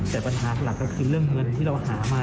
แต่ปัญหาหลักก็คือเรื่องเงินที่เราหามา